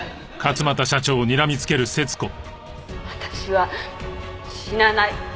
私は死なない。